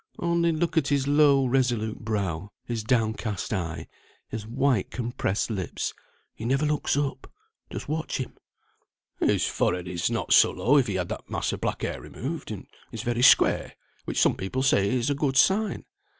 "Only look at his low, resolute brow, his downcast eye, his white compressed lips. He never looks up, just watch him." "His forehead is not so low if he had that mass of black hair removed, and is very square, which some people say is a good sign.